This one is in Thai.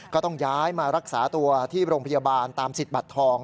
ก็ต้องย้ายมารักษาตัวที่โรงพยาบาลตามสิทธิ์บัตรทอง